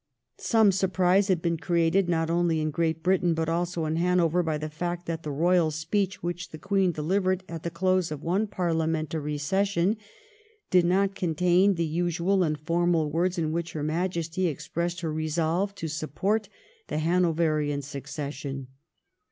Some surprise had been created, not only in Great Britain, but also in Hanover, by the fact that the royal speech, which the Queen delivered at the close of one Parliamentary Session, did not contain the usual and formal words in which her Majesty expressed her resolve to support the Hanoverian succession.